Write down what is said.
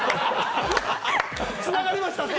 つながりましたね。